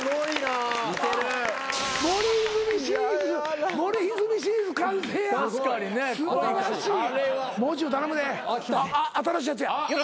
あっ新しいやつや。